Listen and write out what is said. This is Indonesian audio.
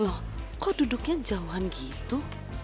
loh kok duduknya jauhan gitu